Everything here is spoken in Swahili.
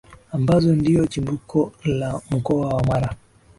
ambazo ndiyo chimbuko la Mkoa wa Mara